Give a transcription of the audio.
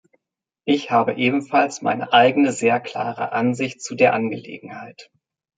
Ich habe ebenfalls meine eigene sehr klare Ansicht zu der Angelegenheit.